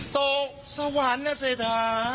โตกสรรเนี่ยเสถา